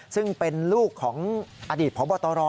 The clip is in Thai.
ซึ่งเป็นลูกของอดีตพบตร